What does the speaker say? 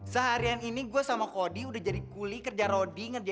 seharian doctors papnik one